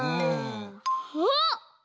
あっ！